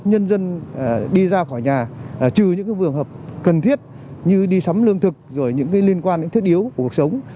nhân dân đi ra khỏi nhà trừ những vườn hợp cần thiết như đi sắm lương thực rồi những liên quan đến thiết yếu của cuộc sống